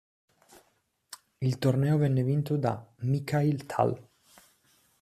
Il torneo venne vinto da Michail Tal.